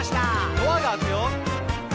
「ドアが開くよ」